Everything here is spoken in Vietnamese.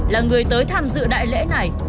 là người tới tham dự đại lễ này